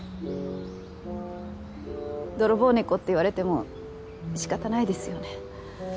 泥棒猫って言われても仕方ないですよね。